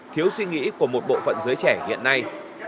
thiếu suy nghĩ của một bộ phận giới trẻ hiện nay